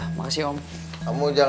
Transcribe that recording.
harus milih kesehatan